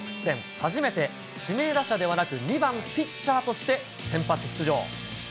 初めて指名打者ではなく、２番ピッチャーとして先発出場。